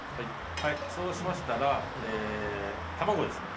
そうしましたら卵ですね。